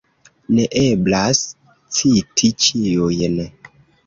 Neeblas citi ĉiujn.